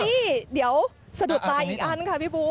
นี่เดี๋ยวสะดุดตาอีกอันค่ะพี่บู๊